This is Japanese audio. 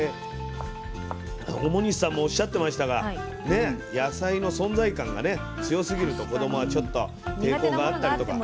表西さんもおっしゃってましたが野菜の存在感が強すぎると子どもはちょっと抵抗があったりとか。